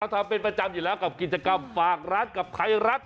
ทำเป็นประจำอยู่แล้วกับกิจกรรมฝากร้านกับไทยรัฐ